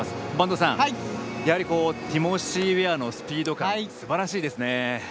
播戸さんティモシー・ウェアのスピード感すばらしいですね。